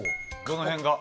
どの辺が？